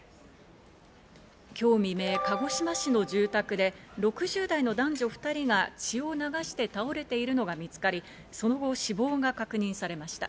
今日未明、鹿児島市の住宅で６０代の男女２人が血を流して倒れているのが見つかり、その後、死亡が確認されました。